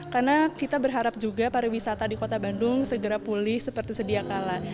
karena kita berharap juga para wisata di kota bandung segera pulih seperti sedia kalah